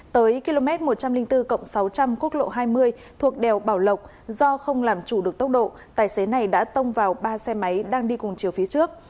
tới km một trăm linh bốn sáu trăm linh quốc lộ hai mươi thuộc đèo bảo lộc do không làm chủ được tốc độ tài xế này đã tông vào ba xe máy đang đi cùng chiều phía trước